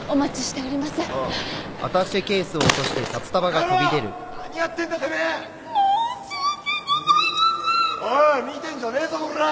おい見てんじゃねえぞこら！